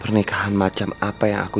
pernikahan macam apa yang aku